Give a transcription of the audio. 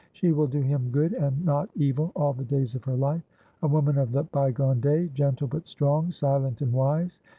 'She will do him good and not evil all the days of her life.' A woman of the by gone daygentle but strong, silent and wise.